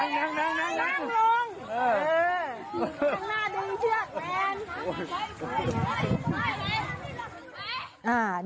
ไปสวะหน้าดึงเชือกแมน